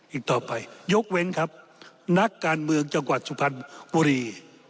อีกต่อไปยกเว้นครับนักการเมืองจังหวัดสุพรรณบุรี